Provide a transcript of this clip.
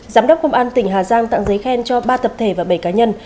giám đốc công an tỉnh hà giang tặng giấy khen cho ba tập thể và bảy cá nhân